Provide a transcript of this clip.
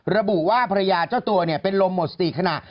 ระบุว่าภรรยาเจ้าตัวเป็นลมหมดสติขณะ